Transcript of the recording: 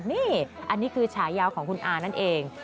นี่อันนี้คือฉายาวของคุณอานั่นเอง